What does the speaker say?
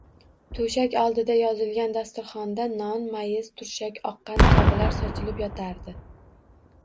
To‘shak oldiga yozilgan dasturxonda non, mayiz, turshak, oqqand kabilar sochilib yotardi